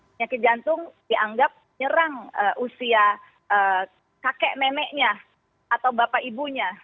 penyakit jantung dianggap nyerang usia kakek neneknya atau bapak ibunya